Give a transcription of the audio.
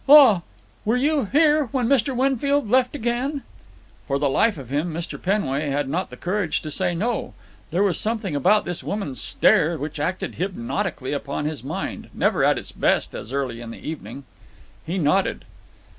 "Ah! Were you here when Mr. Winfield left again?" For the life of him Mr. Penway had not the courage to say no. There was something about this woman's stare which acted hypnotically upon his mind, never at its best as early in the evening. He nodded.